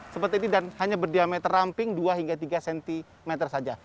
seperti ini dan hanya berdiameter ramping dua hingga tiga cm saja